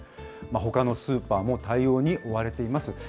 ほかのスーパーも対応に追われています。